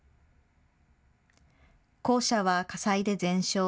校舎は火災で全焼。